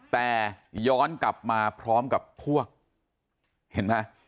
แต่ย้อนกลับมาพร้อมกับพวกเห็นไหม